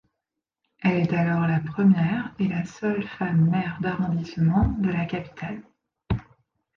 Elle est alors la première et seule femme maire d'arrondissement de la capitale.